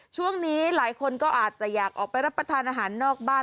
ช่วงนี้หลายคนก็อาจจะอยากออกไปรับประทานอาหารนอกบ้าน